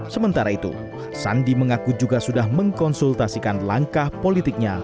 sementara itu sandi mengaku juga sudah mengkonsultasikan langkah politiknya